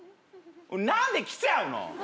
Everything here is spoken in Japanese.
なんで来ちゃうの？